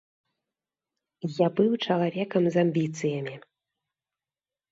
Я быў чалавекам з амбіцыямі.